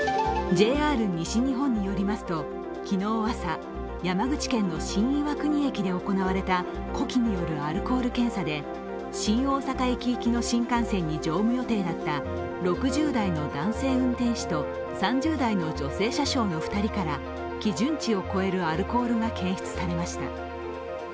ＪＲ西日本によりますと、昨日朝山口県の新岩国駅で行われた呼気によるアルコール検査で新大阪駅行きの新幹線に乗務予定だった６０代の男性運転士と３０代の女性車掌の２人から基準値を超えるアルコールが検出されました。